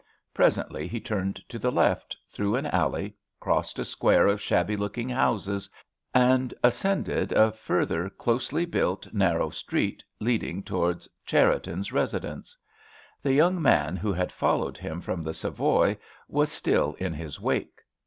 Presently he turned to the left, through an alley, crossed a square of shabby looking houses, and ascended a further closely built, narrow street, leading towards Cherriton's residence. The young man who had followed him from the Savoy was still in his wake.